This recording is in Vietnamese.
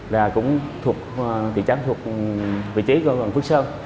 là cũng thuộc vị trí gần phương sơn